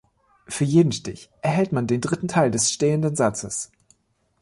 Für jeden Stich erhält man den dritten Teil des stehenden Satzes.